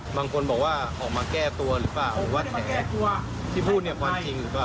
บางคนบอกว่าออกมาแก้ตัวหรือเปล่าว่าแต่ที่พูดเนี่ยความจริงหรือเปล่า